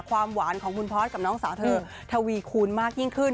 ความหวานของคุณพอร์ตกับน้องสาวเธอทวีคูณมากยิ่งขึ้น